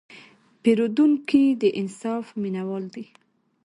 پیرودونکی د انصاف مینهوال دی.